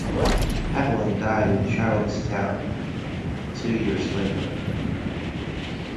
Haviland died in Charlottetown two years later.